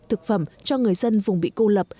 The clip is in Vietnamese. thực phẩm cho người dân vùng bị cô lập